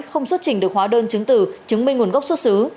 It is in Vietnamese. không xuất trình được hóa đơn chứng từ chứng minh nguồn gốc xuất xứ